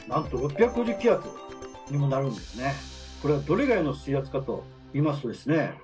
これがどれぐらいの水圧かといいますとですね